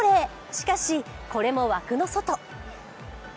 しかし、これも枠の外。